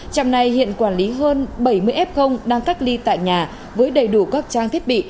trạm này hiện quản lý hơn bảy mươi f đang cách ly tại nhà với đầy đủ các trang thiết bị